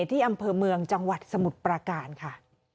ที่อำเภอเมืองจังหวัดสมุทรประการค่ะ